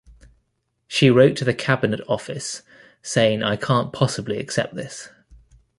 She wrote to the Cabinet Office saying I can't possibly accept this.